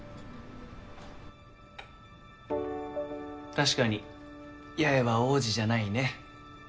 確かに八重は王子じゃないね。